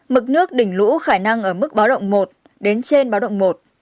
mực nước đỉnh lũ khả năng ở mức báo động một đến trên báo động một